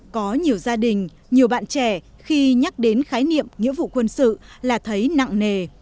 có nhiều gia đình nhiều bạn trẻ khi nhắc đến khái niệm nghĩa vụ quân đội